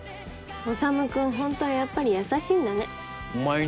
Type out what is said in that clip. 修君、本当はやっぱり優しいんだね。